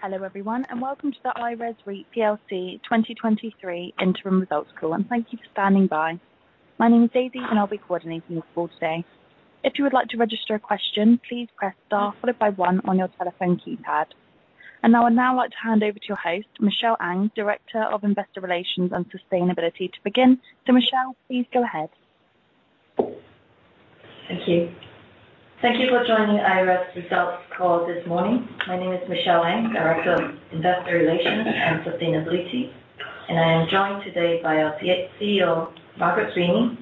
Hello, everyone, and welcome to the IRES REIT plc 2023 Results Call, and thank you for standing by. My name is Daisy, and I'll be coordinating the call today. If you would like to register a question, please press Star followed by 1 on your telephone keypad. I would now like to hand over to your host, Michelle Ang, Director of Investor Relations and Sustainability, to begin. Michelle, please go ahead. Thank you. Thank you for joining IRES Results Call this morning. My name is Michelle Ang, Director of Investor Relations and Sustainability, and I am joined today by our CEO, Margaret Sweeney,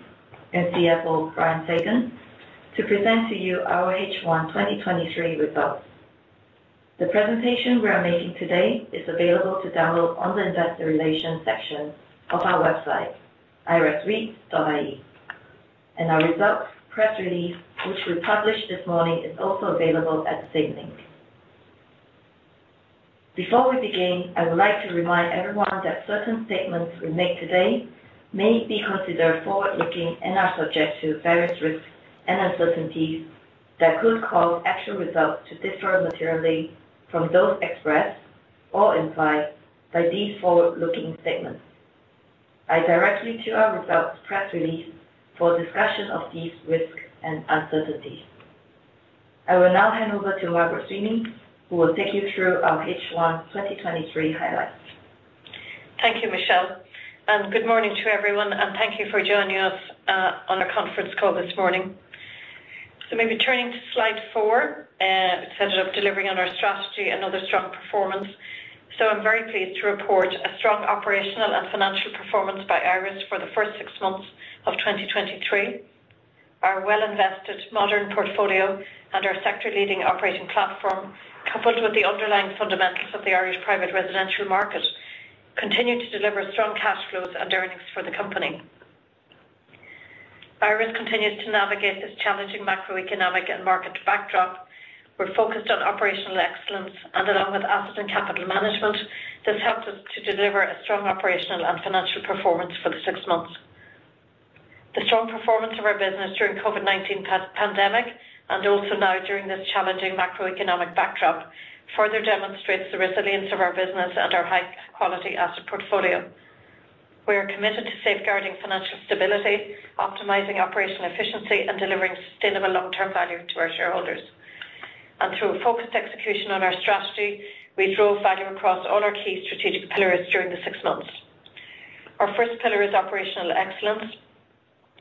and CFO, Brian Fagan, to present to you our H1 2023 results. The presentation we are making today is available to download on the Investor Relations section of our website, iresreit.ie. Our results press release, which we published this morning, is also available at the same link. Before we begin, I would like to remind everyone that certain statements we make today may be considered forward-looking and are subject to various risks and uncertainties that could cause actual results to differ materially from those expressed or implied by these forward-looking statements. I directly to our results press release for a discussion of these risks and uncertainties. I will now hand over to Margaret Sweeney, who will take you through our H1 2023 highlights. Thank you, Michelle, and good morning to everyone, and thank you for joining us on our conference call this morning. Maybe turning to slide four, it's headed up Delivering on Our Strategy: Another Strong Performance. I'm very pleased to report a strong operational and financial performance by IRES for the first six months of 2023. Our well-invested modern portfolio and our sector-leading operating platform, coupled with the underlying fundamentals of the Irish private residential market, continue to deliver strong cash flows and earnings for the company. Irish continues to navigate this challenging macroeconomic and market backdrop. We're focused on operational excellence, and along with asset and capital management, this helped us to deliver a strong operational and financial performance for the six months. The strong performance of our business during COVID-19 pandemic, and also now during this challenging macroeconomic backdrop, further demonstrates the resilience of our business and our high-quality asset portfolio. We are committed to safeguarding financial stability, optimizing operational efficiency, and delivering sustainable long-term value to our shareholders. Through a focused execution on our strategy, we drove value across all our key strategic pillars during the six months. Our first pillar is operational excellence,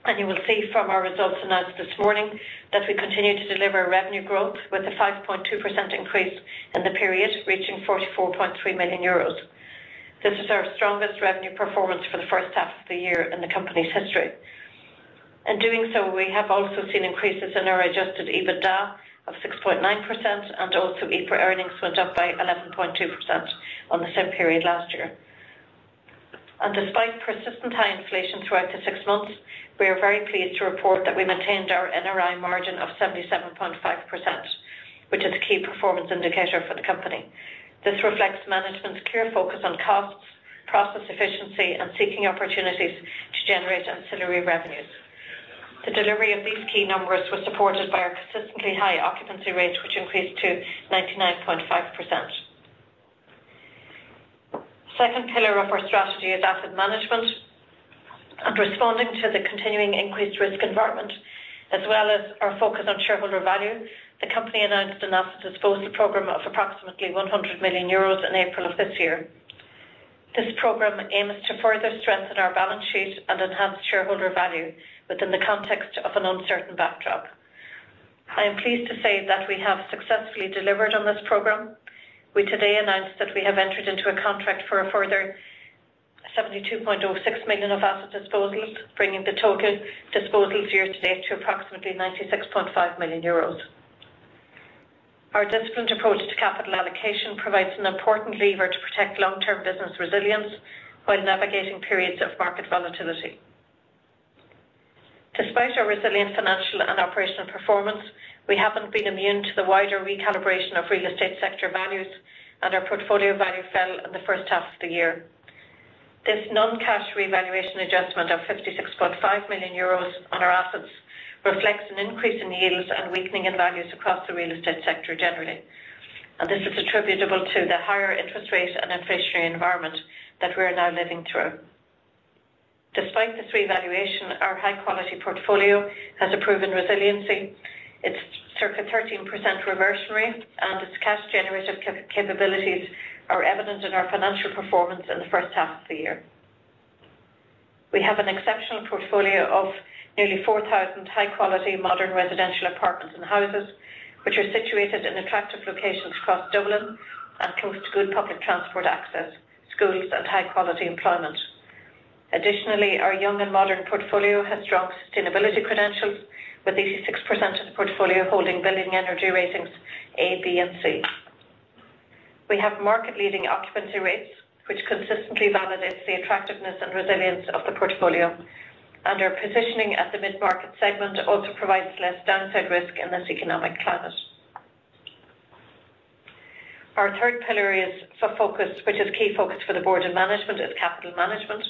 and you will see from our results announced this morning that we continue to deliver revenue growth with a 5.2% increase in the period, reaching 44.3 million euros. This is our strongest revenue performance for H1 in the company's history. In doing so, we have also seen increases in our adjusted EBITDA of 6.9%, and also EBITDA earnings went up by 11.2% on the same period last year. Despite persistent high inflation throughout the six months, we are very pleased to report that we maintained our NRI margin of 77.5%, which is a key performance indicator for the company. This reflects management's clear focus on costs, process efficiency, and seeking opportunities to generate ancillary revenues. The delivery of these key numbers was supported by our consistently high occupancy rates, which increased to 99.5%. Second pillar of our strategy is asset management. Responding to the continuing increased risk environment, as well as our focus on shareholder value, the company announced an asset disposal program of approximately 100 million euros in April of this year. This program aims to further strengthen our balance sheet and enhance shareholder value within the context of an uncertain backdrop. I am pleased to say that we have successfully delivered on this program. We today announced that we have entered into a contract for a further 72.06 million of asset disposals, bringing the total disposals year to date to approximately 96.5 million euros. Our disciplined approach to capital allocation provides an important lever to protect long-term business resilience while navigating periods of market volatility. Despite our resilient financial and operational performance, we haven't been immune to the wider recalibration of real estate sector values, and our portfolio value fell in H1. This non-cash revaluation adjustment of 56.5 million euros on our assets reflects an increase in yields and weakening in values across the real estate sector generally. This is attributable to the higher interest rates and inflationary environment that we are now living through. Despite this revaluation, our high-quality portfolio has a proven resiliency. Its circa 13% reversal rate, and its cash generative capabilities are evident in our financial performance in H1. We have an exceptional portfolio of nearly 4,000 high-quality modern residential apartments and houses, which are situated in attractive locations across Dublin and close to good public transport access, schools, and high-quality employment. Additionally, our young and modern portfolio has strong sustainability credentials, with 86% of the portfolio holding building energy ratings A, B, and C. We have market-leading occupancy rates, which consistently validates the attractiveness and resilience of the portfolio. Our positioning at the mid-market segment also provides less downside risk in this economic climate. Our third pillar is sub-focus, which is key focus for the Board and Management, is capital management.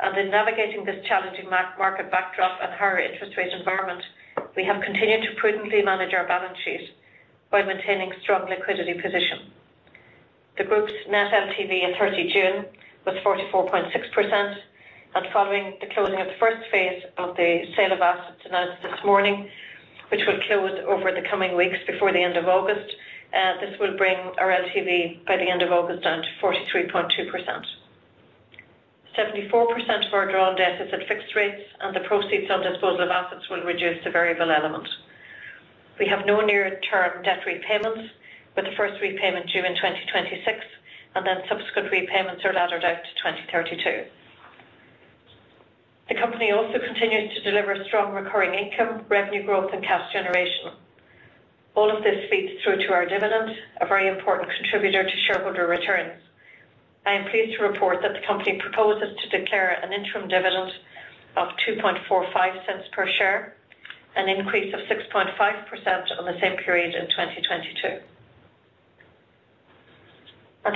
In navigating this challenging market backdrop and higher interest rate environment, we have continued to prudently manage our balance sheet while maintaining strong liquidity position. The group's net LTV at 30 June was 44.6%, and following the closing of the first phase of the sale of assets announced this morning, which will close over the coming weeks before the end of August, this will bring our LTV by the end of August down to 43.2%. 74% of our drawn debt is at fixed rates, and the proceeds on disposal of assets will reduce the variable element. We have no near-term debt repayments, with the first repayment due in 2026, and then subsequent repayments are laddered out to 2032. The company also continues to deliver strong recurring income, revenue growth, and cash generation. All of this feeds through to our dividend, a very important contributor to shareholder returns. I am pleased to report that the company proposes to declare an interim dividend of 0.0245 per share, an increase of 6.5% on the same period in 2022.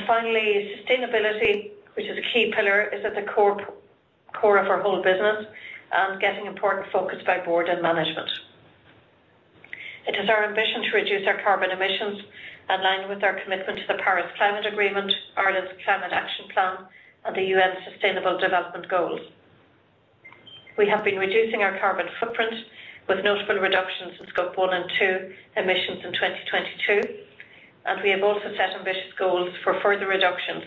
Finally, sustainability, which is a key pillar, is at the core of our whole business and getting important focus by Board and Management. It is our ambition to reduce our carbon emissions aligned with our commitment to the Paris Agreement, Ireland's Climate Action Plan, and the United Nations Sustainable Development Goals. We have been reducing our carbon footprint, with notable reductions in Scope one, Scope two emissions in 2022, and we have also set ambitious goals for further reductions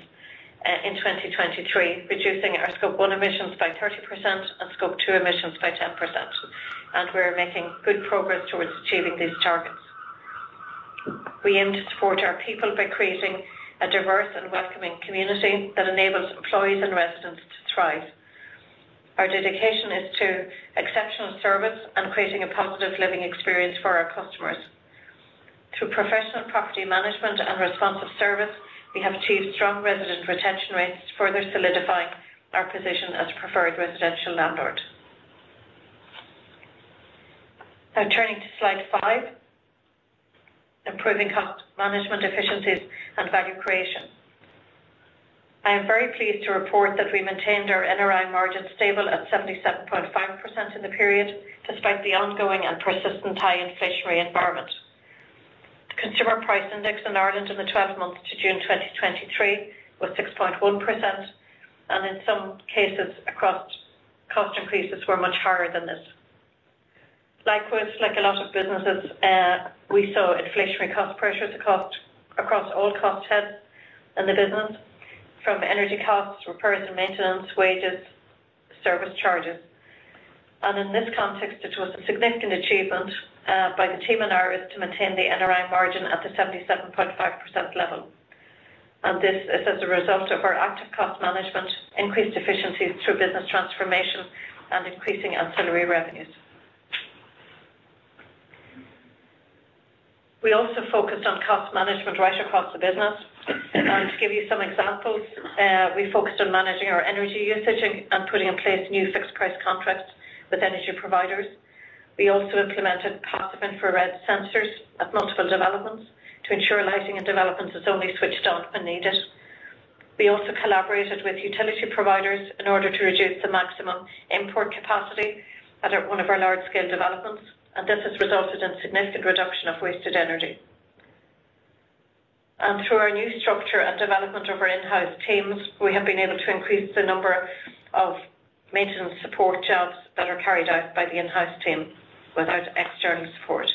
in 2023, reducing our Scope one emissions by 30% and Scope two emissions by 10%, and we're making good progress towards achieving these targets. We aim to support our people by creating a diverse and welcoming community that enables employees and residents to thrive. Our dedication is to exceptional service and creating a positive living experience for our customers. Through professional property management and responsive service, we have achieved strong resident retention rates, further solidifying our position as preferred residential landlord. Now turning to slide five: improving cost management efficiencies and value creation. I am very pleased to report that we maintained our NRI margin stable at 77.5% in the period, despite the ongoing and persistent high inflationary environment. The Consumer Price Index in Ireland in the 12 months to June 2023 was 6.1%. In some cases, cost increases were much higher than this. Likewise, like a lot of businesses, we saw inflationary cost pressures across all cost heads in the business, from energy costs, repairs and maintenance, wages, service charges. In this context, it was a significant achievement by the team in IRES to maintain the NRI margin at the 77.5% level. This is as a result of our active cost management, increased efficiencies through business transformation, and increasing ancillary revenues. We also focused on cost management right across the business. To give you some examples, we focused on managing our energy usage and putting in place new fixed price contracts with energy providers. We also implemented passive infrared sensors at multiple developments to ensure lighting and developments is only switched on when needed. We also collaborated with utility providers in order to reduce the maximum import capacity at one of our large-scale developments, and this has resulted in significant reduction of wasted energy. Through our new structure and development of our in-house teams, we have been able to increase the number of maintenance support jobs that are carried out by the in-house team without external support.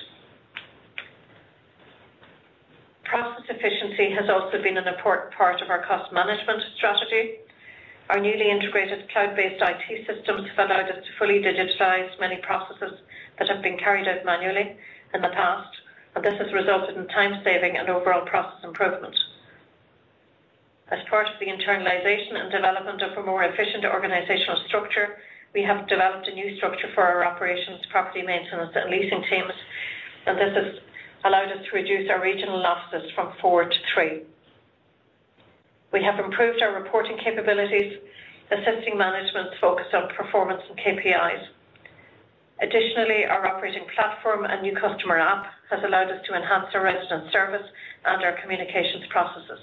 Process efficiency has also been an important part of our cost management strategy. Our newly integrated cloud-based IT systems allowed us to fully digitize many processes that have been carried out manually in the past, and this has resulted in time saving and overall process improvement. As part of the internalization and development of a more efficient organizational structure, we have developed a new structure for our operations, property maintenance, and leasing teams, and this has allowed us to reduce our regional offices from four to three. We have improved our reporting capabilities, assisting management's focus on performance and KPIs. Additionally, our operating platform and new customer app has allowed us to enhance our resident service and our communications processes.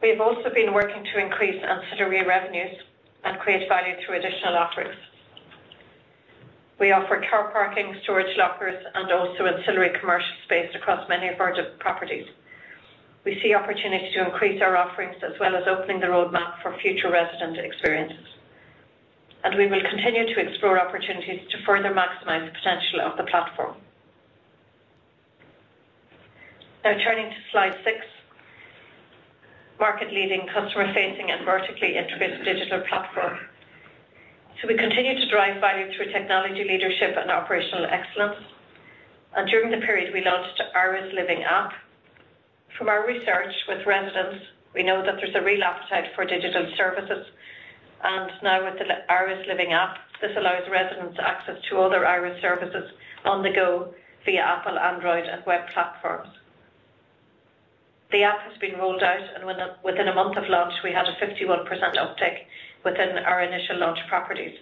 We've also been working to increase ancillary revenues and create value through additional offerings. We offer car parking, storage lockers, and also ancillary commercial space across many of our different properties. We see opportunity to increase our offerings, as well as opening the roadmap for future resident experiences. We will continue to explore opportunities to further maximize the potential of the platform. Now, turning to slide six, market-leading, customer-facing, and vertically integrated digital platform. We continue to drive value through technology leadership and operational excellence. During the period, we launched our I-RES Living app. From our research with residents, we know that there's a real appetite for digital services, and now with the I-RES Living app, this allows residents access to all their Irish services on the go via Apple, Android, and web platforms. The app has been rolled out, and within a month of launch, we had a 51% uptake within our initial launch properties,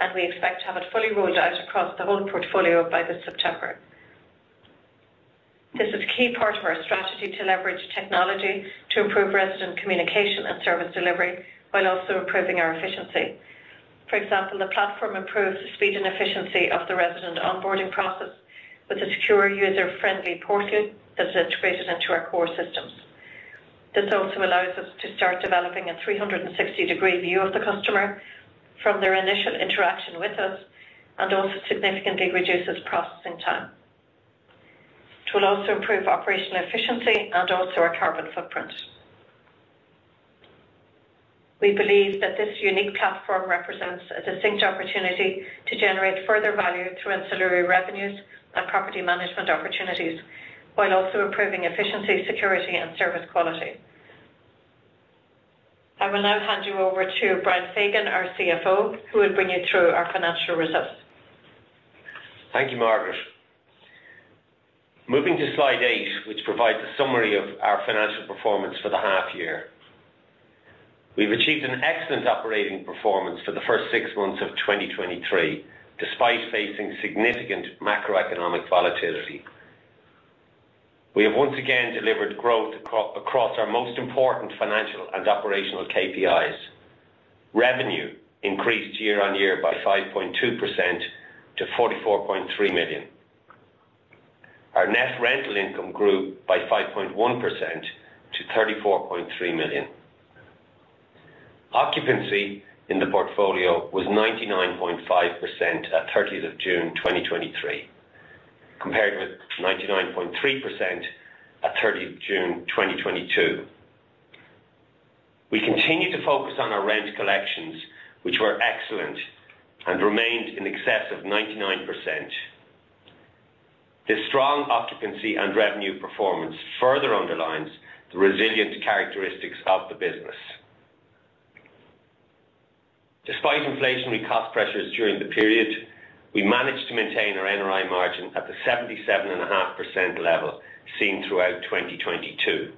and we expect to have it fully rolled out across the whole portfolio by this September. This is a key part of our strategy to leverage technology to improve resident communication and service delivery, while also improving our efficiency. For example, the platform improves the speed and efficiency of the resident onboarding process with a secure, user-friendly portal that's integrated into our core systems. This also allows us to start developing a 360-degree view of the customer from their initial interaction with us, and also significantly reduces processing time. It will also improve operational efficiency and also our carbon footprint. We believe that this unique platform represents a distinct opportunity to generate further value through ancillary revenues and property management opportunities, while also improving efficiency, security, and service quality. I will now hand you over to Brian Fagan, our CFO, who will bring you through our financial results. Thank you, Margaret. Moving to slide eight, which provides a summary of our financial performance for the half year. We've achieved an excellent operating performance for the six months of 2023, despite facing significant macroeconomic volatility. We have once again delivered growth across our most important financial and operational KPIs. Revenue increased year-over-year by 5.2% to 44.3 million. Our net rental income grew by 5.1% to 34.3 million. Occupancy in the portfolio was 99.5% at June 30, 2023, compared with 99.3% at June 30, 2022. We continue to focus on our rent collections, which were excellent and remained in excess of 99%. This strong occupancy and revenue performance further underlines the resilient characteristics of the business. Despite inflationary cost pressures during the period, we managed to maintain our NRI margin at the 77.5% level seen throughout 2022.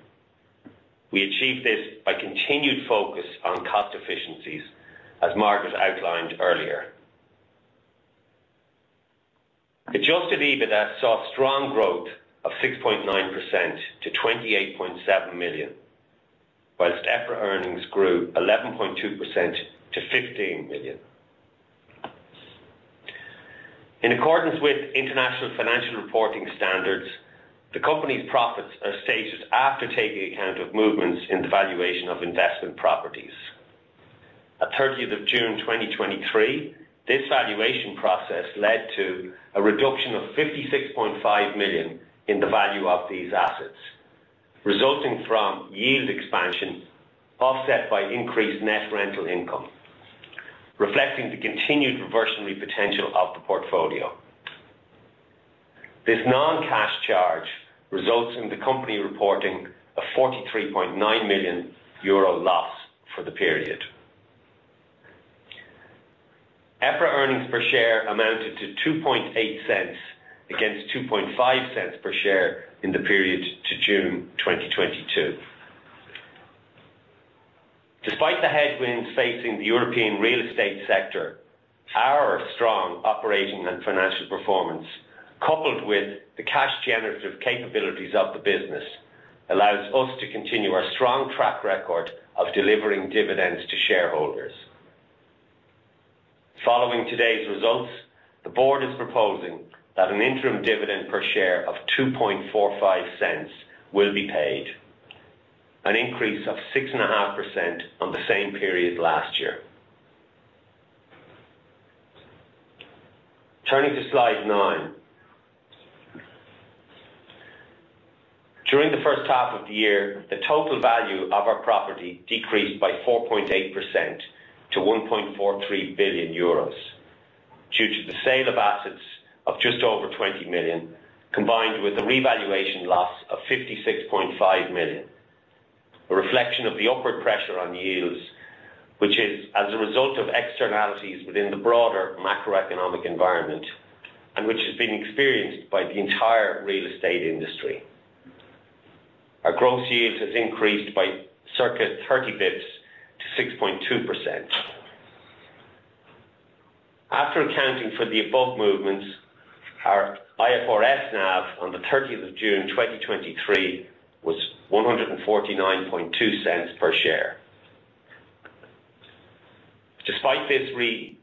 We achieved this by continued focus on cost efficiencies, as Margaret outlined earlier. Adjusted EBITDA saw strong growth of 6.9% to 28.7 million, whilst EPRA earnings grew 11.2% to 15 million. In accordance with international financial reporting standards, the company's profits are stated after taking account of movements in the valuation of investment properties. At 30th of June, 2023, this valuation process led to a reduction of 56.5 million in the value of these assets, resulting from yield expansion, offset by increased net rental income, reflecting the continued reversionary potential of the portfolio. This non-cash charge results in the company reporting a 43.9 million euro loss for the period. EPRA earnings per share amounted to 0.028 against 0.025 per share in the period to June 2022. Despite the headwinds facing the European real estate sector, our strong operating and financial performance, coupled with the cash generative capabilities of the business, allows us to continue our strong track record of delivering dividends to shareholders. Following today's results, the Board is proposing that an interim dividend per share of 0.0245 will be paid, an increase of 6.5% on the same period last year. Turning to slide nine. During H1, the total value of our property decreased by 4.8% to 1.43 billion euros, due to the sale of assets of just over 20 million, combined with a revaluation loss of 56.5 million. A reflection of the upward pressure on yields, which is as a result of externalities within the broader macroeconomic environment, and which has been experienced by the entire real estate industry. Our gross yield has increased by circa 30 basis points to 6.2%. After accounting for the above movements, our IFRS NAV on the 30th of June, 2023, was 1.492 per share. Despite this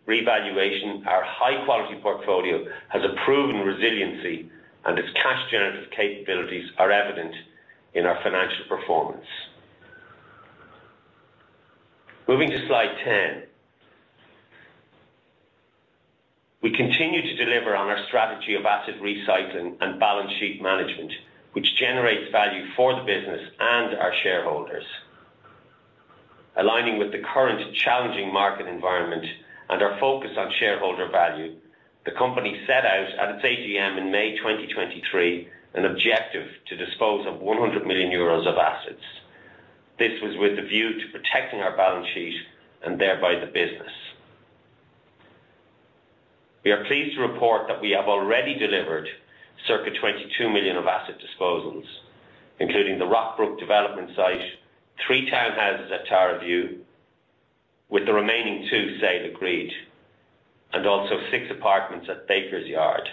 revaluation, our high-quality portfolio has a proven resiliency, and its cash generative capabilities are evident in our financial performance. Moving to slide 10. We continue to deliver on our strategy of asset recycling and balance sheet management, which generates value for the business and our shareholders. Aligning with the current challenging market environment and our focus on shareholder value, the company set out at its AGM in May 2023, an objective to dispose of 100 million euros of assets. This was with a view to protecting our balance sheet and thereby the business. We are pleased to report that we have already delivered circa 22 million of asset disposals, including the Rockbrook development site, three townhouses at Tower View, with the remaining two sale agreed, and also six apartments at Baker's Yard.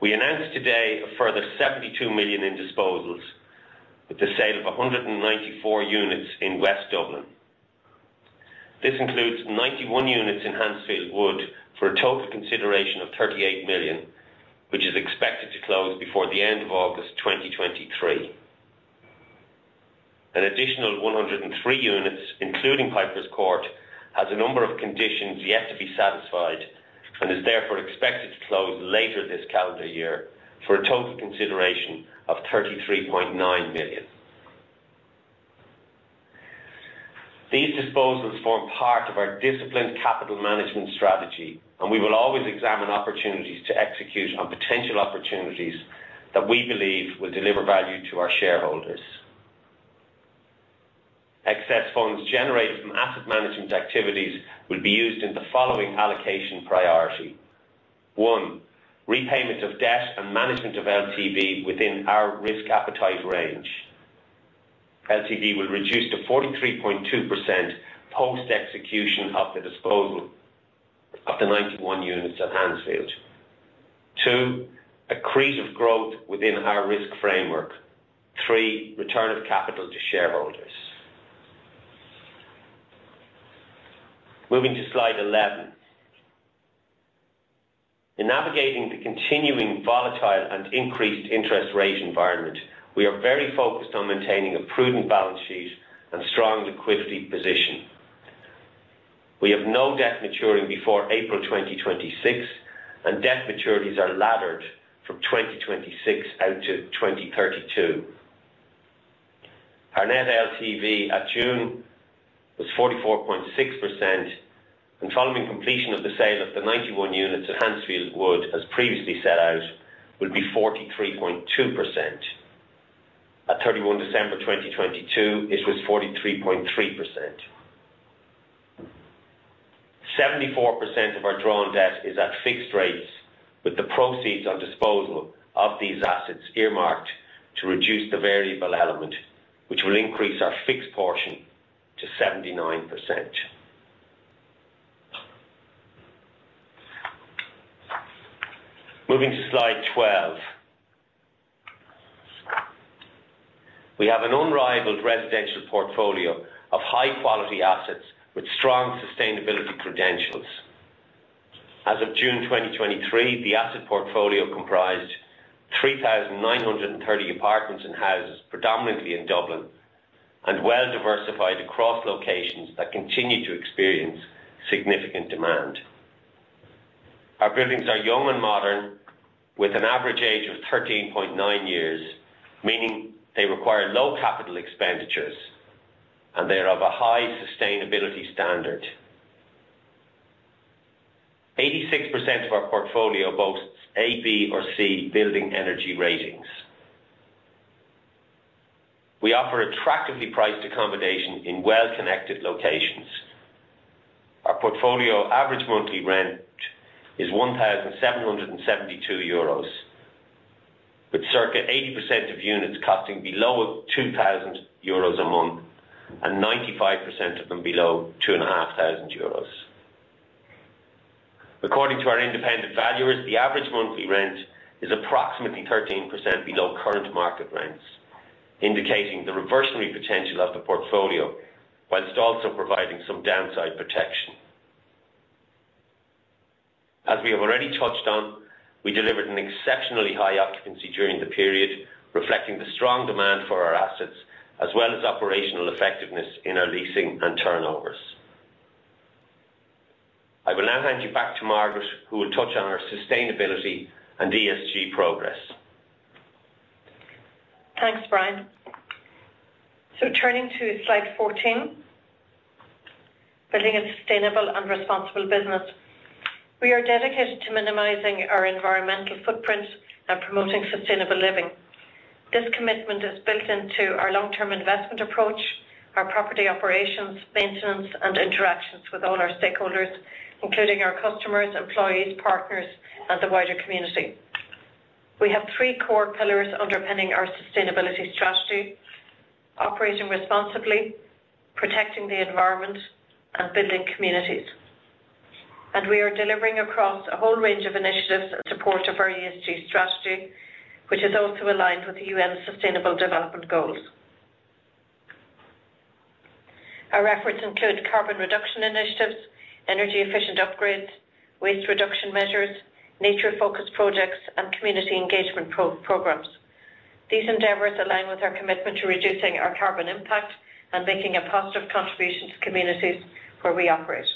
We announced today a further 72 million in disposals, with the sale of 194 units in West Dublin. This includes 91 units in Hansfield Wood, for a total consideration of 38 million, which is expected to close before the end of August 2023. An additional 103 units, including Piper's Court, has a number of conditions yet to be satisfied and is therefore expected to close later this calendar year, for a total consideration of 33.9 million. These disposals form part of our disciplined capital management strategy, and we will always examine opportunities to execute on potential opportunities that we believe will deliver value to our shareholders. Excess funds generated from asset management activities will be used in the following allocation priority: 1. Repayment of debt and management of LTV within our risk appetite range. LTV will reduce to 43.2% post-execution of the disposal of the 91 units at Hansfield. 2. Accretive growth within our risk framework. 3. Return of capital to shareholders. Moving to slide 11. In navigating the continuing volatile and increased interest rate environment, we are very focused on maintaining a prudent balance sheet and strong liquidity position. We have no debt maturing before April 2026, and debt maturities are laddered from 2026 out to 2032. Our net LTV at June was 44.6%, and following completion of the sale of the 91 units at Hansfield Wood, as previously set out, will be 43.2%. At 31 December 2022, it was 43.3%. 74% of our drawn debt is at fixed rates, with the proceeds on disposal of these assets earmarked to reduce the variable element, which will increase our fixed portion to 79%. Moving to slide 12. We have an unrivaled residential portfolio of high-quality assets with strong sustainability credentials. As of June 2023, the asset portfolio comprised 3,930 apartments and houses, predominantly in Dublin, and well-diversified across locations that continue to experience significant demand. Our buildings are young and modern, with an average age of 13.9 years, meaning they require low capital expenditures, and they are of a high sustainability standard. 86% of our portfolio boasts A, B, or C building energy ratings. We offer attractively priced accommodation in well-connected locations. Our portfolio average monthly rent is 1,772 euros, with circa 80% of units costing below 2,000 euros a month and 95% of them below 2,500 euros. According to our independent valuers, the average monthly rent is approximately 13% below current market rents, indicating the reversionary potential of the portfolio, whilst also providing some downside protection. As we have already touched on, we delivered an exceptionally high occupancy during the period, reflecting the strong demand for our assets, as well as operational effectiveness in our leasing and turnovers. I will now hand you back to Margaret, who will touch on our sustainability and ESG progress. Thanks, Brian. Turning to slide 14, building a sustainable and responsible business. We are dedicated to minimizing our environmental footprint and promoting sustainable living. This commitment is built into our long-term investment approach, our property operations, maintenance, and interactions with all our stakeholders, including our customers, employees, partners, and the wider community. We have three core pillars underpinning our sustainability strategy: operating responsibly, protecting the environment, and building communities. We are delivering across a whole range of initiatives in support of our ESG strategy, which is also aligned with the UN's Sustainable Development Goals. Our efforts include carbon reduction initiatives, energy efficient upgrades, waste reduction measures, nature-focused projects, and community engagement programs. These endeavors align with our commitment to reducing our carbon impact and making a positive contribution to communities where we operate.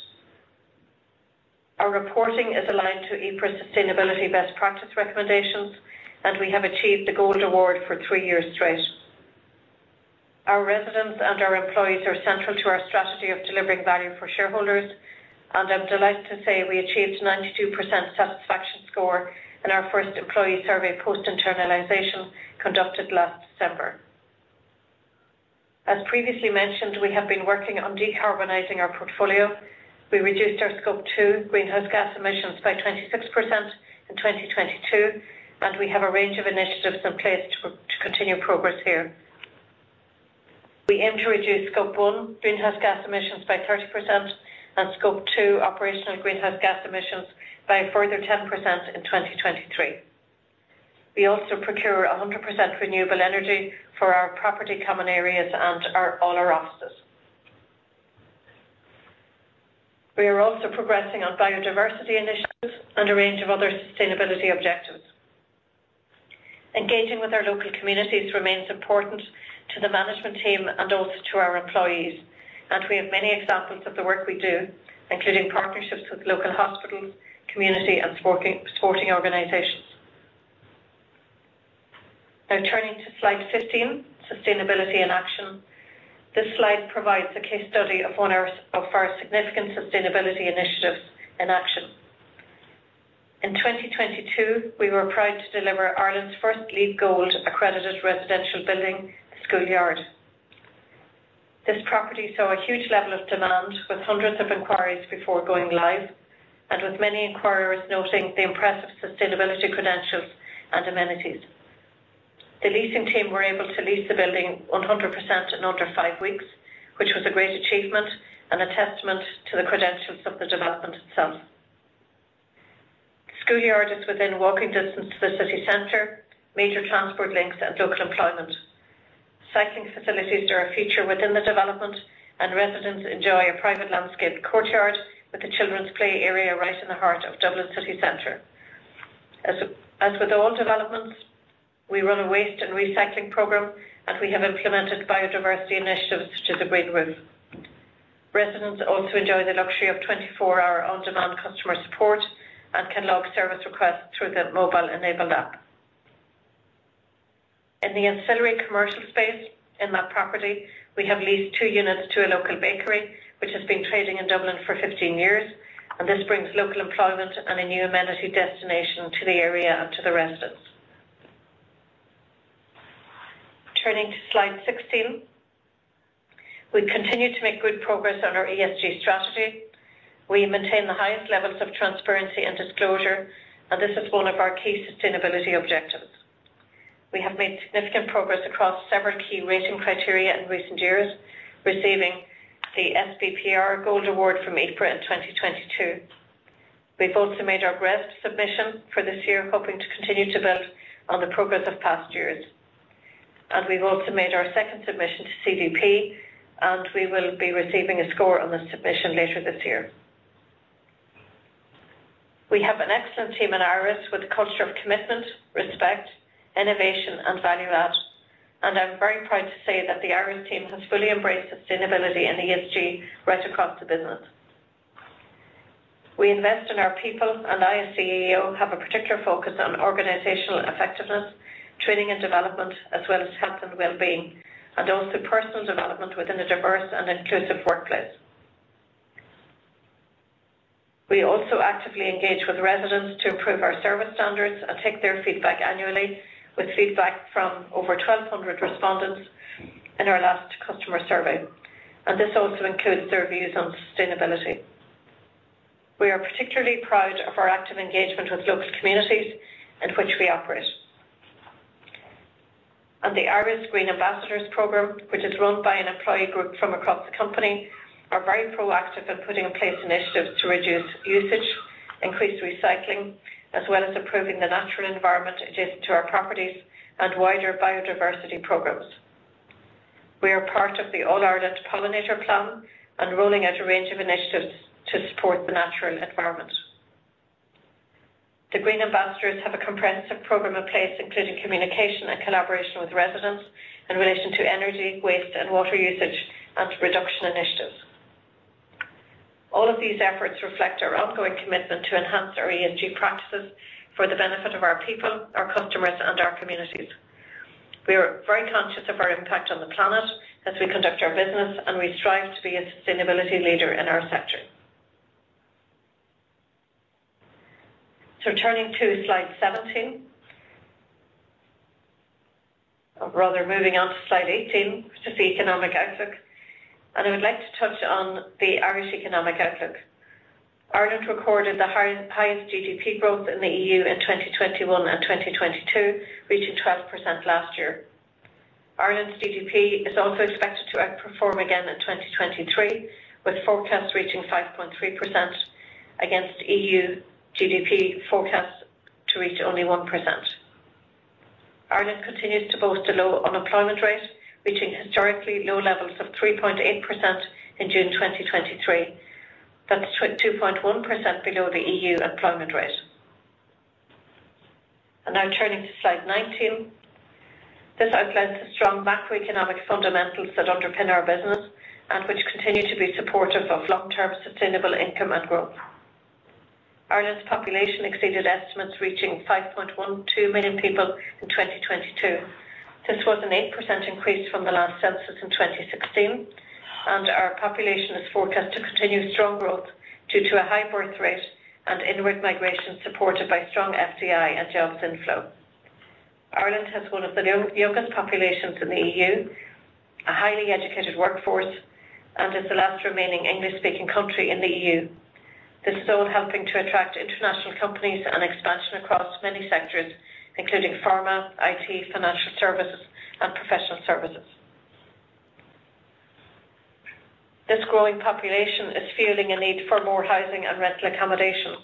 Our reporting is aligned to EPRA's Sustainability Best Practices Recommendations, and we have achieved the Gold Award for three years straight. Our residents and our employees are central to our strategy of delivering value for shareholders, and I'm delighted to say we achieved 92% satisfaction score in our first employee survey post-internalization, conducted last December. As previously mentioned, we have been working on decarbonizing our portfolio. We reduced our Scope two greenhouse gas emissions by 26% in 2022, and we have a range of initiatives in place to continue progress here. We aim to reduce Scope one greenhouse gas emissions by 30% and Scope two operational greenhouse gas emissions by a further 10% in 2023. We also procure 100% renewable energy for our property common areas and all our offices. We are also progressing on biodiversity initiatives and a range of other sustainability objectives. Engaging with our local communities remains important to the management team and also to our employees. We have many examples of the work we do, including partnerships with local hospitals, community, and sporting organizations. Turning to slide 15, sustainability in action. This slide provides a case study of one of our significant sustainability initiatives in action. In 2022, we were proud to deliver Ireland's first LEED Gold accredited residential building, Schoolyard. This property saw a huge level of demand, with hundreds of inquiries before going live, and with many inquirers noting the impressive sustainability credentials and amenities. The leasing team were able to lease the building 100% in under five weeks, which was a great achievement and a testament to the credentials of the development itself. Schoolyard is within walking distance to the city center, major transport links, and local employment. Cycling facilities are a feature within the development. Residents enjoy a private landscaped courtyard with a children's play area right in the heart of Dublin City Center. As with all developments, we run a waste and recycling program. We have implemented biodiversity initiatives to the green roof. Residents also enjoy the luxury of 24-hour on-demand customer support and can log service requests through the mobile-enabled app. In the ancillary commercial space in that property, we have leased two units to a local bakery, which has been trading in Dublin for 15 years. This brings local employment and a new amenity destination to the area and to the residents. Turning to slide 16. We continue to make good progress on our ESG strategy. We maintain the highest levels of transparency and disclosure, and this is one of our key sustainability objectives. We have made significant progress across several key rating criteria in recent years, receiving the sBPR Gold Award from EPRA in 2022. We've also made our GRESB submission for this year, hoping to continue to build on the progress of past years. We've also made our second submission to CDP, and we will be receiving a score on the submission later this year. We have an excellent team in IRES, with a culture of commitment, respect, innovation, and value add, and I'm very proud to say that the IRES team has fully embraced sustainability and ESG right across the business. We invest in our people, I, as CEO, have a particular focus on organizational effectiveness, training and development, as well as health and well-being, and also personal development within a diverse and inclusive workplace. We also actively engage with residents to improve our service standards and take their feedback annually, with feedback from over 1,200 respondents in our last customer survey, this also includes their views on sustainability. We are particularly proud of our active engagement with local communities in which we operate. The IRES Green Ambassadors program, which is run by an employee group from across the company, are very proactive in putting in place initiatives to reduce usage, increase recycling, as well as improving the natural environment adjacent to our properties and wider biodiversity programs. We are part of the All-Ireland Pollinator Plan and rolling out a range of initiatives to support the natural environment. The Green Ambassadors have a comprehensive program in place, including communication and collaboration with residents in relation to energy, waste, and water usage and reduction initiatives. All of these efforts reflect our ongoing commitment to enhance our ESG practices for the benefit of our people, our customers, and our communities. We are very conscious of our impact on the planet as we conduct our business, and we strive to be a sustainability leader in our sector. Turning to slide 17. Rather, moving on to slide 18, which is the economic outlook, and I would like to touch on the Irish economic outlook. Ireland recorded the highest GDP growth in the E.U. in 2021 and 2022, reaching 12% last year. Ireland's GDP is also expected to outperform again in 2023, with forecasts reaching 5.3% against EU GDP forecasts to reach only 1%. Ireland continues to boast a low unemployment rate, reaching historically low levels of 3.8% in June 2023. That's 2.1% below the EU employment rate. Now turning to slide 19. This outlines the strong macroeconomic fundamentals that underpin our business and which continue to be supportive of long-term sustainable income and growth. Ireland's population exceeded estimates, reaching 5.12 million people in 2022. This was an 8% increase from the last census in 2016. Our population is forecast to continue strong growth due to a high birth rate and inward migration, supported by strong FDI and jobs inflow. Ireland has one of the youngest populations in the EU, a highly educated workforce, and is the last remaining English-speaking country in the EU. This is all helping to attract international companies and expansion across many sectors, including pharma, IT, financial services, and professional services. This growing population is feeling a need for more housing and rental accommodation,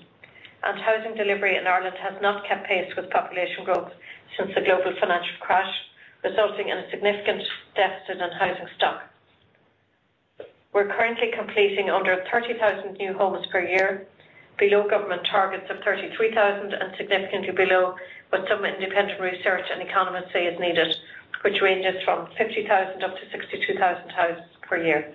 and housing delivery in Ireland has not kept pace with population growth since the global financial crash, resulting in a significant deficit in housing stock. We're currently completing under 30,000 new homes per year, below government targets of 33,000, and significantly below what some independent research and economists say is needed, which ranges from 50,000 up to 62,000 houses per year.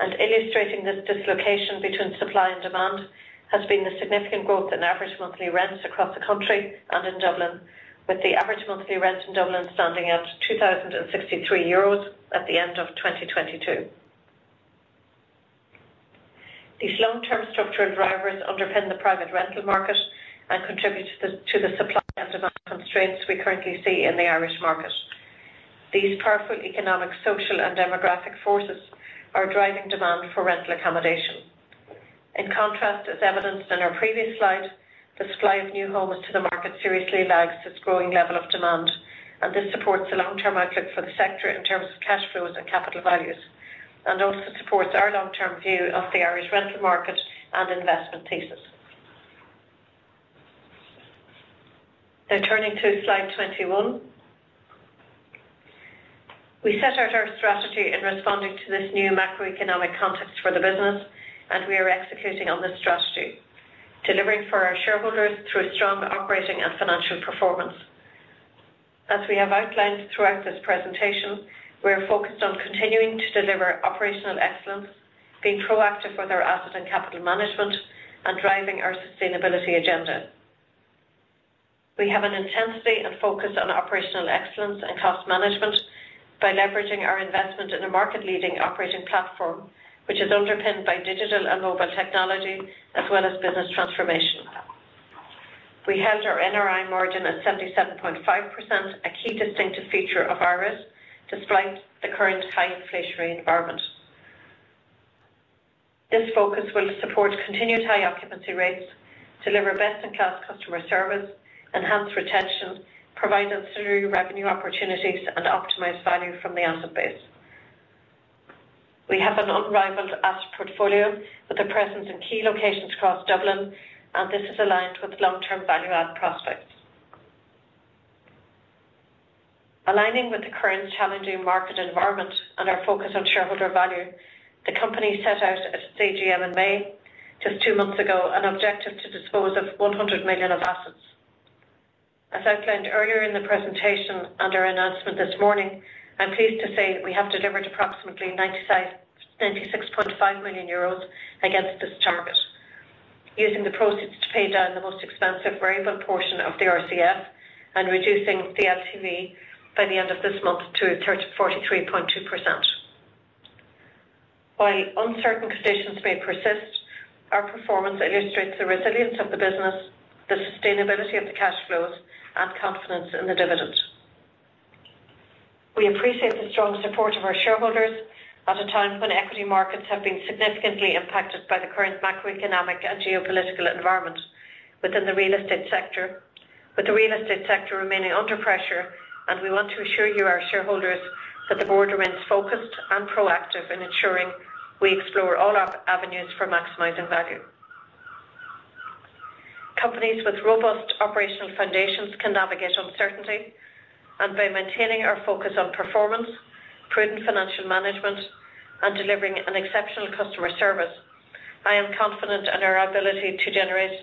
Illustrating this dislocation between supply and demand has been the significant growth in average monthly rents across the country and in Dublin, with the average monthly rent in Dublin standing at 2,063 euros at the end of 2022. These long-term structural drivers underpin the private rental market and contribute to the supply and demand constraints we currently see in the Irish market. These powerful economic, social, and demographic forces are driving demand for rental accommodation. In contrast, as evidenced in our previous slide, the supply of new homes to the market seriously lags this growing level of demand, and this supports the long-term outlook for the sector in terms of cash flows and capital values, and also supports our long-term view of the Irish rental market and investment thesis. Turning to slide 21. We set out our strategy in responding to this new macroeconomic context for the business, and we are executing on this strategy, delivering for our shareholders through strong operating and financial performance. As we have outlined throughout this presentation, we are focused on continuing to deliver operational excellence, being proactive with our asset and capital management, and driving our sustainability agenda. We have an intensity and focus on operational excellence and cost management by leveraging our investment in a market-leading operating platform, which is underpinned by digital and mobile technology as well as business transformation. We held our NRI margin at 77.5%, a key distinctive feature of IRES, despite the current high inflationary environment. This focus will support continued high occupancy rates, deliver best-in-class customer service, enhance retention, provide us through revenue opportunities, and optimize value from the asset base. We have an unrivaled asset portfolio with a presence in key locations across Dublin, and this is aligned with long-term value add prospects. Aligning with the current challenging market environment and our focus on shareholder value, the company set out at AGM in May, just two months ago, an objective to dispose of 100 million of assets. As I outlined earlier in the presentation and our announcement this morning, I'm pleased to say that we have delivered approximately 96.5 million euros against this target, using the proceeds to pay down the most expensive variable portion of the RCF and reducing the LTV by the end of this month to 43.2%. While uncertain conditions may persist, our performance illustrates the resilience of the business, the sustainability of the cash flows, and confidence in the dividend. We appreciate the strong support of our shareholders at a time when equity markets have been significantly impacted by the current macroeconomic and geopolitical environment within the real estate sector. With the real estate sector remaining under pressure, we want to assure you, our shareholders, that the Board remains focused and proactive in ensuring we explore all avenues for maximizing value. Companies with robust operational foundations can navigate uncertainty, and by maintaining our focus on performance, prudent financial management, and delivering an exceptional customer service, I am confident in our ability to generate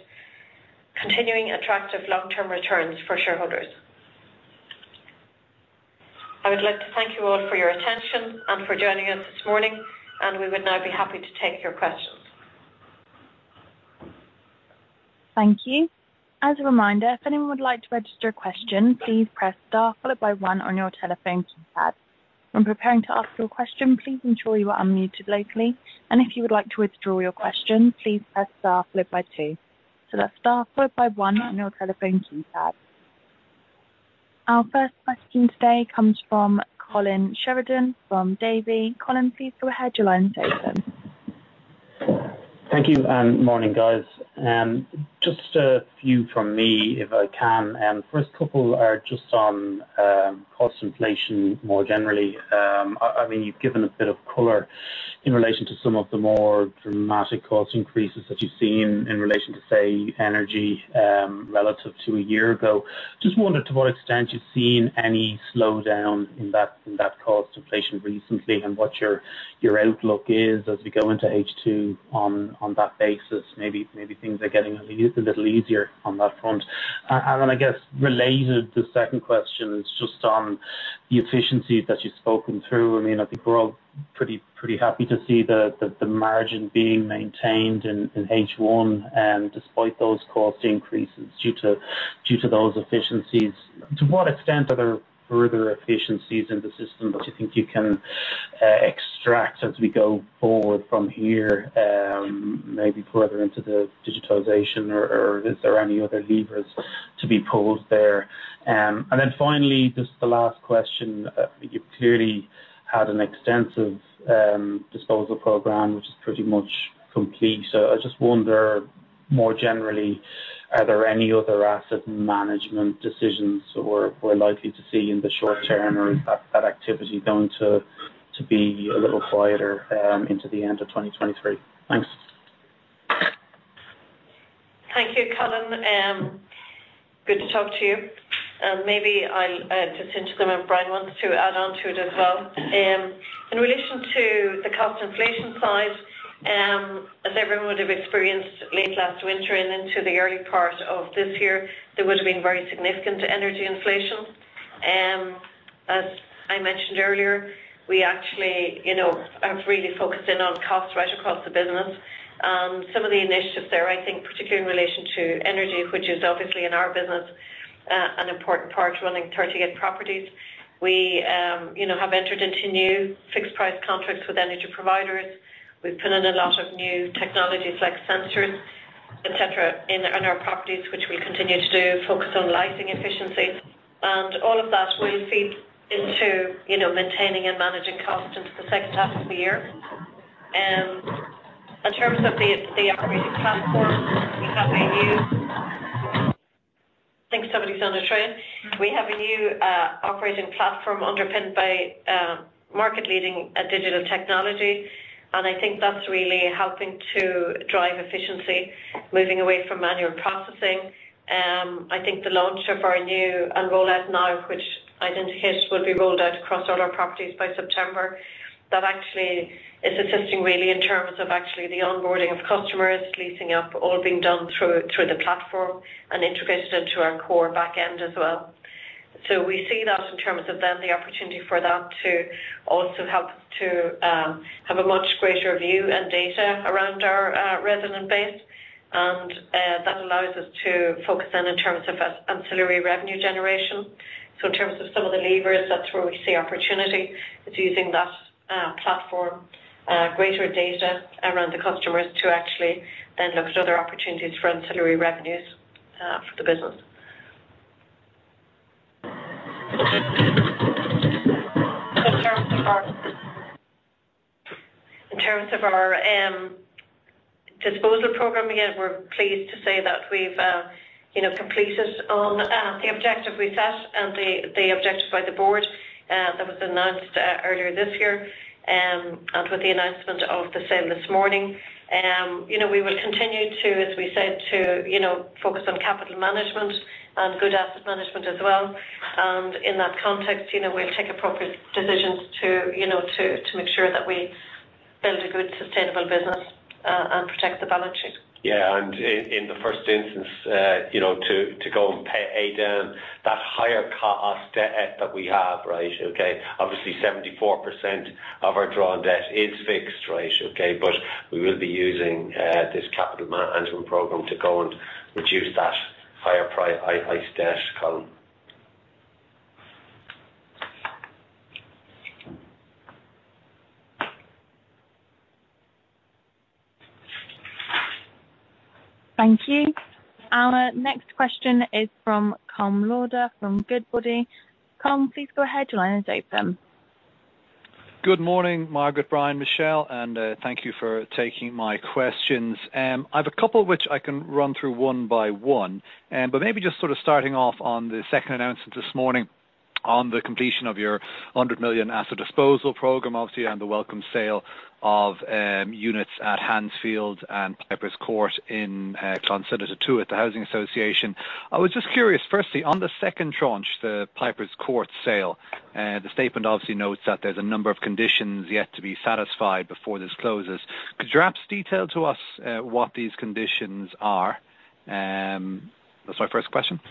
continuing attractive long-term returns for shareholders. I would like to thank you all for your attention and for joining us this morning. We would now be happy to take your questions. Thank you. As a reminder, if anyone would like to register a question, please press star followed by one on your telephone keypad. When preparing to ask your question, please ensure you are unmuted locally, and if you would like to withdraw your question, please press star followed by two. That's star followed by one on your telephone keypad. Our first question today comes from Colin Sheridan, from Davy. Colin, please go ahead. Your line is open. Thank you. Morning, guys. Just a few from me, if I can. First couple are just on cost inflation more generally. I mean, you've given a bit of color in relation to some of the more dramatic cost increases that you've seen in relation to, say, energy, relative to a year ago. Just wondered to what extent you've seen any slowdown in that, in that cost inflation recently, and what your, your outlook is as we go into H2 on, on that basis? Maybe, maybe things are getting a little easier on that front. Then I guess related to second question is just on the efficiencies that you've spoken through. I mean, I think we're all pretty, pretty happy to see the, the, the margin being maintained in, in H1, despite those cost increases due to, due to those efficiencies. To what extent are there further efficiencies in the system that you think you can extract as we go forward from here, maybe further into the digitization or, or is there any other levers to be pulled there? Then finally, just the last question. You clearly had an extensive disposal program, which is pretty much complete. I just wonder, more generally, are there any other asset management decisions or we're likely to see in the short term, or is that, that activity going to, to be a little quieter, into the end of 2023? Thanks. Thank you, Colin. Good to talk to you. Maybe I'll just touch them, and Brian wants to add on to it as well. In relation to the cost inflation side, as everyone would have experienced late last winter and into the early part of this year, there would have been very significant energy inflation. As I mentioned earlier, we actually, you know, have really focused in on cost right across the business. Some of the initiatives there, I think, particularly in relation to energy, which is obviously in our business, an important part to running 38 properties. We, you know, have entered into new fixed price contracts with energy providers. We've put in a lot of new technologies like sensors, et cetera, in, in our properties, which we continue to do, focus on lighting efficiencies. All of that will feed into, you know, maintaining and managing costs into H2. In terms of the operating platform, I think somebody's on a train. We have a new operating platform underpinned by market leading a digital technology, and I think that's really helping to drive efficiency, moving away from manual processing. I think the launch of our new rollout now, which I indicate will be rolled out across all our properties by September, that actually is assisting really in terms of actually the onboarding of customers, leasing up, all being done through, through the platform and integrated into our core back end as well. We see that in terms of then the opportunity for that to also help to have a much greater view and data around our resident base, and that allows us to focus in, in terms of as ancillary revenue generation. In terms of some of the levers, that's where we see opportunity. It's using that platform, greater data around the customers to actually then look at other opportunities for ancillary revenues for the business. In terms of our disposal program, again, we're pleased to say that we've, you know, completed on the objective we set and the, the objective by the Board that was announced earlier this year. With the announcement of the sale this morning, you know, we will continue to, as we said, to, you know, focus on capital management and good asset management as well. In that context, you know, we'll take appropriate decisions to, you know, make sure that we build a good sustainable business, and protect the balance sheet. Yeah, in the first instance, you know, to go and pay down that higher cost debt that we have, right? Okay. Obviously, 74% of our drawn debt is fixed, right? Okay. We will be using this capital management program to go and reduce that higher price, highest debt column. Thank you. Our next question is from Colm Lauder, from Goodbody. Colm, please go ahead. Your line is open. Good morning, Margaret, Brian, Michelle, and thank you for taking my questions. I have a couple of which I can run through one by one. Maybe just sort of starting off on the second announcement this morning on the completion of your 100 million asset disposal program, obviously, and the welcome sale of units at Hansfield and Piper's Court in Clonsilla to the housing association. I was just curious, firstly, on the second tranche, the Piper's Court sale, the statement obviously notes that there's a number of conditions yet to be satisfied before this closes. Could you perhaps detail to us what these conditions are? That's my first question.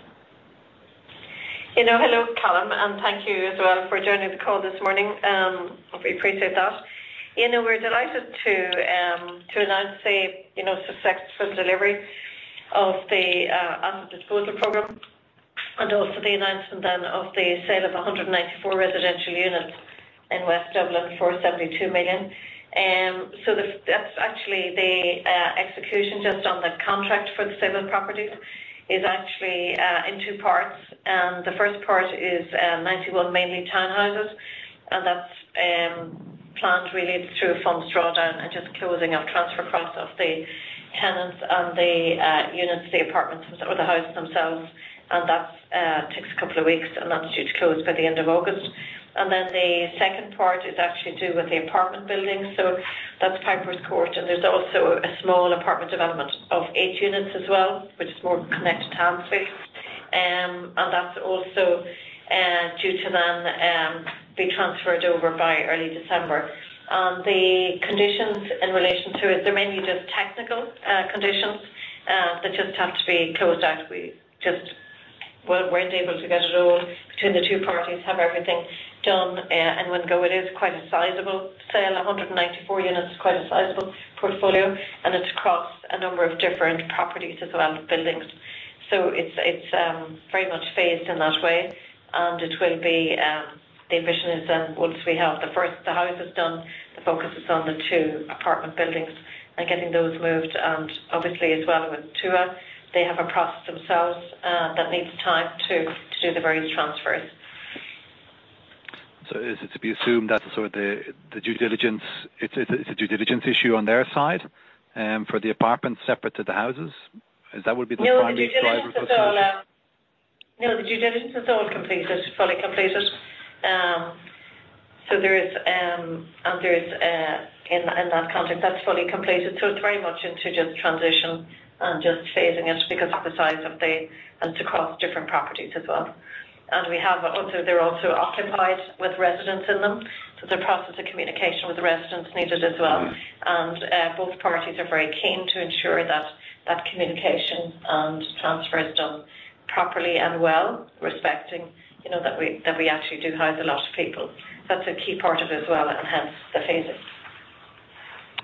You know, hello, Colm, and thank you as well for joining the call this morning. Hopefully, appreciate that. You know, we're delighted to announce the, you know, successful delivery of the asset disposal program and also the announcement then of the sale of 194 residential units in West Dublin for 72 million. That's actually the execution just on the contract for the seven properties, is actually in two parts. The first part is 91, mainly townhouses, and that's planned really through a fund drawdown and just closing of transfer across of the tenants and the units, the apartments, or the houses themselves. And that's takes a couple of weeks, and that's due to close by the end of August. The second part is actually do with the apartment building, so that's Piper's Court, and there's also a small apartment development of eight units as well, which is more connected to Hansfield. That's also due to then be transferred over by early December. The conditions in relation to it, they're mainly just technical conditions that just have to be closed out. We just weren't able to get it all between the two parties, have everything done, and one go. It is quite a sizable sale. 194 units is quite a sizable portfolio, and it's across a number of different properties as well as buildings. It's, it's very much phased in that way, and it will be, the vision is then once we have the first, the houses done, the focus is on the two apartment buildings and getting those moved, and obviously as well with Tuath, they have a process themselves that needs time to, to do the various transfers. Is it to be assumed that sort of the, the due diligence, it's, it's a due diligence issue on their side, for the apartment separate to the houses? Is that would be the primary driver for-? No, the due diligence is all, no, the due diligence is all completed, fully completed. There is, and there's, in, in that context, that's fully completed, so it's very much into just transition and just phasing it because of the size of the-- and across different properties as well. We have also-- They're also occupied with residents in them, so the process of communication with the residents needed as well. Mm. Both parties are very keen to ensure that, that communication and transfer is done properly and well, respecting, you know, that we, that we actually do house a lot of people. That's a key part of it as well, and hence, the phasing.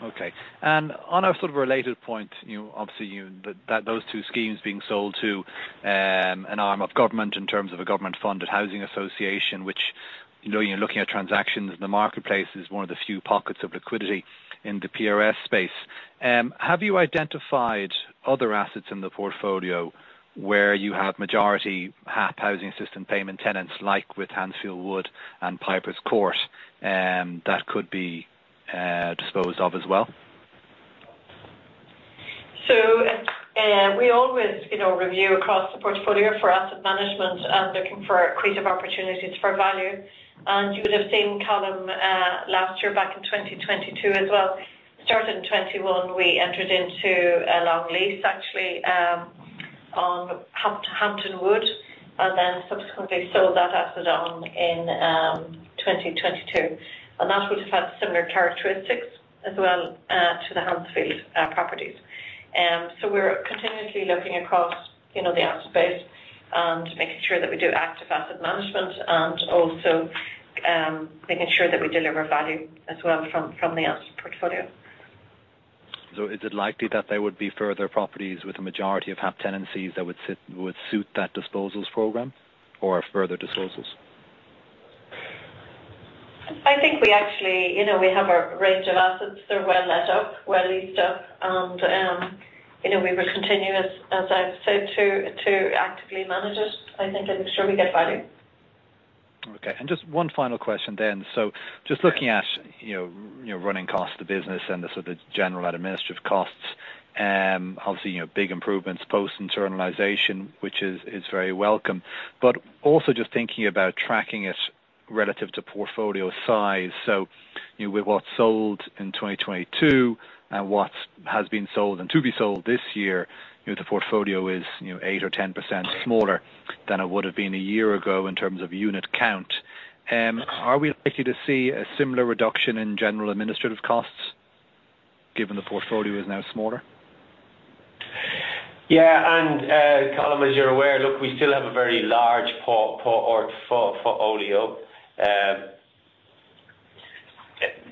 Okay. On a sort of related point, you know, obviously, you, but that those two schemes being sold to an arm of government in terms of a government-funded housing association, which, you know, you're looking at transactions in the marketplace, is one of the few pockets of liquidity in the PRS space. Have you identified other assets in the portfolio where you have majority HAP housing system payment tenants, like with Hansfield Wood and Piper's Court, that could be disposed of as well? We always, you know, review across the portfolio for asset management and looking for creative opportunities for value. You would have seen, Colm, last year back in 2022 as well. Starting in 2021, we entered into a long lease, actually, on Hampton Wood, and then subsequently sold that asset on in 2022. That would have had similar characteristics as well to the Hansfield properties. We're continuously looking across, you know, the asset space and making sure that we do active asset management and also, making sure that we deliver value as well from, from the asset portfolio. Is it likely that there would be further properties with a majority of HAP tenancies that would suit that disposals program or further disposals? I think we actually, you know, we have a range of assets. They're well let up, well leased up, and, you know, we will continue, as, as I've said, to, to actively manage it, I think, and ensure we get value. Okay, just one final question then: just looking at, you know, your running costs of business and the sort of General Administrative costs, obviously, you know, big improvements, post-internalization, which is, is very welcome. Also just thinking about tracking it relative to portfolio size. You know, with what sold in 2022 and what has been sold and to be sold this year, you know, the portfolio is, you know, 8% or 10% smaller than it would have been a year ago in terms of unit count. Are we likely to see a similar reduction in General Administrative costs given the portfolio is now smaller? Yeah, and Colm, as you're aware, look, we still have a very large portfolio.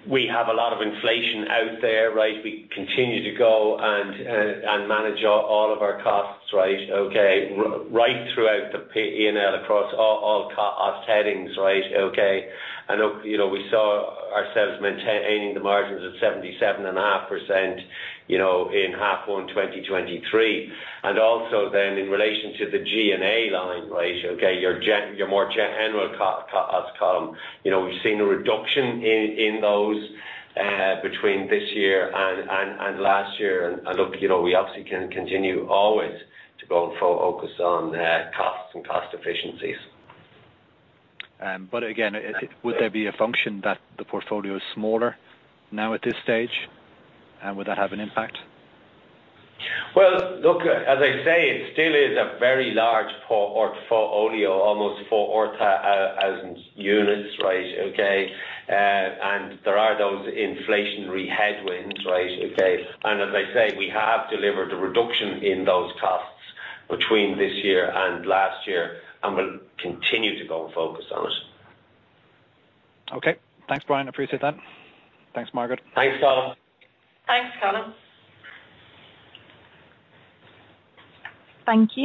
We have a lot of inflation out there, right? We continue to go and manage all of our costs, right, okay, right throughout the P&L across all cost headings, right, okay. I know, you know, we saw ourselves maintaining the margins at 77.5%, you know, in half one 2023. Also then in relation to the G&A line, right, okay, your more general, as Colm. You know, we've seen a reduction in those between this year and last year. Look, you know, we obviously can continue always to go and focus on costs and cost efficiencies. Again, would there be a function that the portfolio is smaller now at this stage, and would that have an impact? Well, look, as I say, it still is a very large portfolio, almost 4,000 units, right? Okay. there are those inflationary headwinds, right? Okay. as I say, we have delivered a reduction in those costs between this year and last year, and we'll continue to go and focus on it. Okay. Thanks, Brian. I appreciate that. Thanks, Margaret. Thanks, Colm. Thanks, Colm. Thank you.